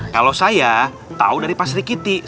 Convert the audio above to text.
kalo saya tau dari pak sergitir